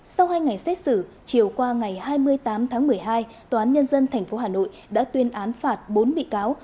sau hai ngày xét xử chiều qua ngày hai mươi tám tháng một mươi hai tòa án nhân dân tp hà nội đã tuyên án phạt bốn bị cáo